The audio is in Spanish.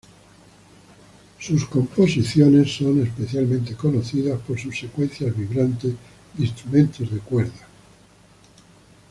Sus composiciones son especialmente conocidas por sus secuencias vibrantes de instrumentos de cuerda.